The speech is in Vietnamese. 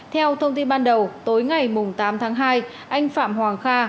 theo thông tin ban đầu tối ngày tám tháng hai anh phạm hoàng kha